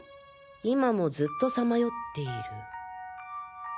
今もずっとさまよっている